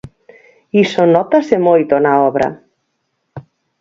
Iso nótase moito na obra.